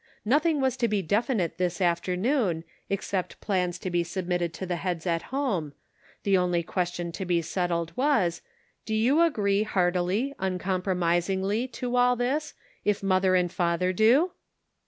Nothing was to be definite this afternoon except plans to be submitted to the heads at home ; the only question to be settled was, " Do you agree heartily, uncompromisingly to all this, if mother and father do